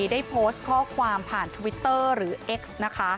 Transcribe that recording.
ได้โพสต์ข้อความผ่านทวิตเตอร์หรือเอ็กซ์นะคะ